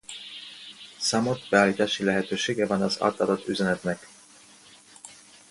Számod beállítási lehetősége van az átadott üzenetnek.